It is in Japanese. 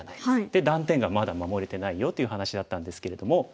で断点がまだ守れてないよという話だったんですけれども。